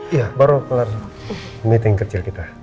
iya baru kelar meeting kecil kita